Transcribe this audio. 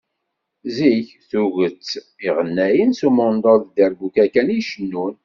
Zik tuget iɣennayen s umundol d dderbuka kan i cennun.